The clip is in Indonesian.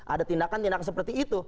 ada tindakan tindakan seperti itu